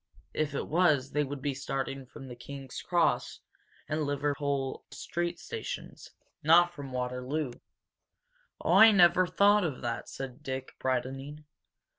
If it was, they would be starting from King's Cross and Liverpool street stations, not from Waterloo." "Oh, I never thought of that!" said Dick, brightening.